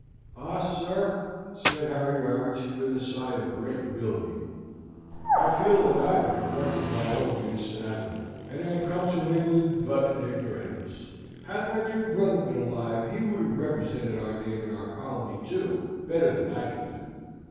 "Ah, sir!" said Harry Warrington, with a sigh of great humility; "I feel that I have neglected my own youth sadly; and am come to England but an ignoramus. Had my dear brother been alive, he would have represented our name and our colony, too, better than I can do.